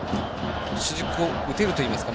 主軸を打てるといいますか